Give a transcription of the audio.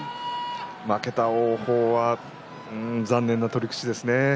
負けた王鵬は残念な取り口ですね。